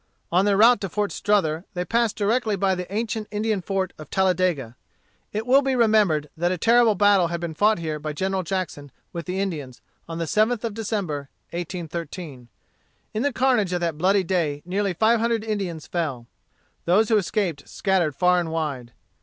On their route to Fort Strother they passed directly by the ancient Indian fort of Talladega. It will be remembered that a terrible battle had been fought here by General Jackson with the Indians, on the 7th of December, 1813. In the carnage of that bloody day nearly five hundred Indians fell. Those who escaped scattered far and wide.